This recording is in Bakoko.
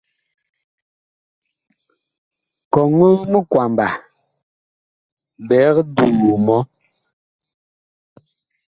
Kɔŋɔɔ minkwamba biig duu mɔ.